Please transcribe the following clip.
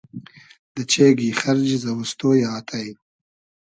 دۂ چېگی خئرجی زئووستۉ یۂ آتݷ